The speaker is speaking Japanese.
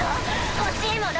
欲しいもの。